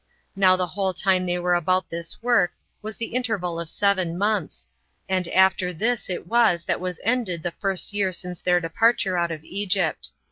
Now the whole time they were about this work was the interval of seven months; and after this it was that was ended the first year since their departure out of Egypt.